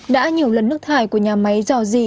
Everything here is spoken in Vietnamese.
đã nhiều lần nước thải của nhà máy dò dì